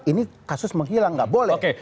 ini kasus menghilang nggak boleh